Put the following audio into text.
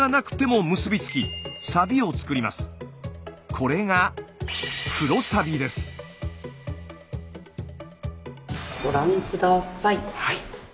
これがご覧下さい。